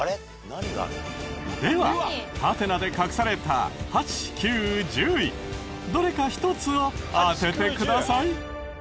ではハテナで隠された８９１０位どれか１つを当ててください。